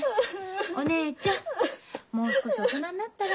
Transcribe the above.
お姉ちゃんもう少し大人になったら？